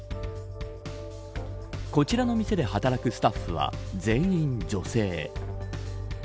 こちらの店で働くスタッフは全員女性。